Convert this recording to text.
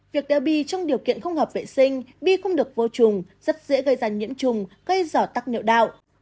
việc đeo bi trong điều kiện không hợp vệ sinh bi không được vô chùng rất dễ gây ra nhiễm chủng gây rỏ tắc niệu đạo